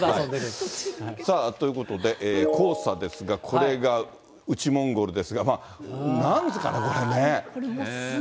さあ、ということで、黄砂ですが、これが内モンゴルですが、なんですかね、これね。